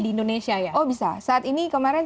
di indonesia ya oh bisa saat ini kemarin